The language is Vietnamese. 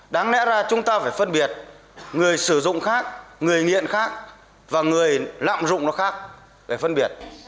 đáng lẽ ra chúng ta phải phân biệt người sử dụng khác người nghiện khác và người lạm dụng nó khác để phân biệt